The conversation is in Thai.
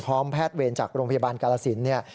พร้อมแพทย์เวรจากโรงพยาบาลกราศิลป์